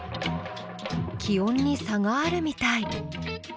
気温に差があるみたい。